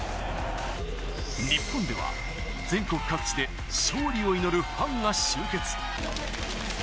日本では全国各地で勝利を祈るファンが集結。